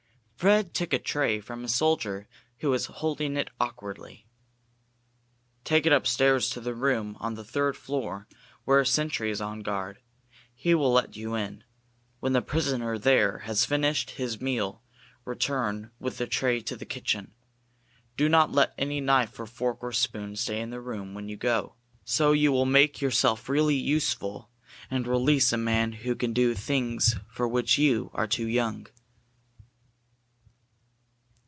Fred took a tray from a soldier who was holding it awkwardly. "Take it upstairs to the room on the third floor where a sentry is on guard. He will let you in. When the prisoner there has finished his meal, return with the tray to the kitchen. Do not let any knife or fork or spoon stay in the room when you go. So you will make yourself really useful and release a man who can do things for which you are too young."